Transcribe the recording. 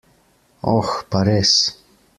Oh, pa res.